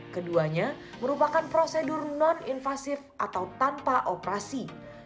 keduanya merupakan prosedur non invasif atau tanpa operasi